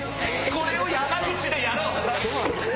これを山口でやろう！